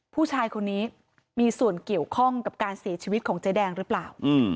ผู้ชายคนนี้มีส่วนเกี่ยวข้องกับการเสียชีวิตของเจ๊แดงหรือเปล่า